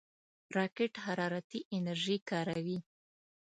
راکټ حرارتي انرژي کاروي